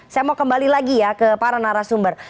saya mau kembali lagi ya ke para narasumber